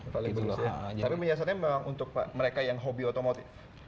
tapi penjelasannya memang untuk mereka yang hobi otomotif